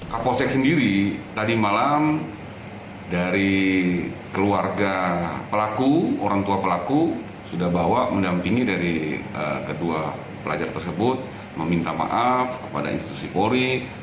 kapolsek sendiri tadi malam dari keluarga pelaku orang tua pelaku sudah bawa mendampingi dari kedua pelajar tersebut meminta maaf kepada institusi polri